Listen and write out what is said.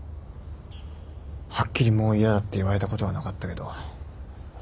はっきりもう嫌だって言われたことはなかったけど。